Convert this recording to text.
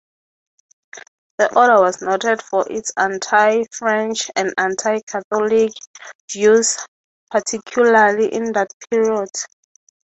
The Order was noted for its anti-French and anti-Catholic views, particularly in that period.